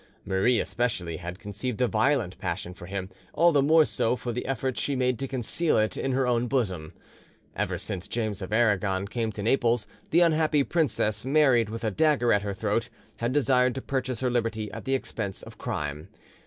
Marie especially had conceived a violent passion for him, all the more so for the efforts she made to conceal it in her own bosom. Ever since James of Aragon came to Naples, the unhappy princess, married with a dagger at her throat, had desired to purchase her liberty at the expense of crime.